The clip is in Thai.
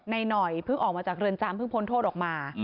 ในหน่อยพึ่งออกมาจากแรนจำพึ่งพ้นโทษออกมา